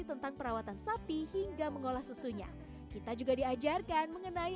tentang perawatan sapi hingga mengolah susunya kita juga diajarkan mengenai